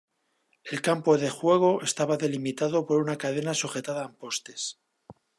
El campo de juego estaba delimitado por una cadena sujetada en postes.